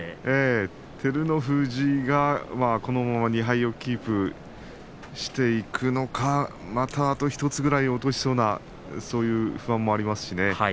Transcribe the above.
照ノ富士がこのまま２敗をキープしていくのかまた、あと１つくらい落とすのか不安もありそうですね。